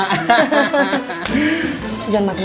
tante jadi gak kena